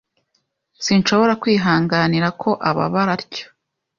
Sinshobora kwihanganira ko ababara atyo.